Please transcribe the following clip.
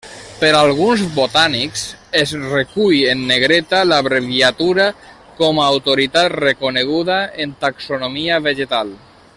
Per alguns botànics es recull en negreta l'abreviatura com a autoritat reconeguda en taxonomia vegetal.